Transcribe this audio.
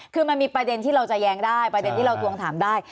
คือมันมีประเด็นที่เราจะแย้งได้ประเด็นที่เราทวงถามได้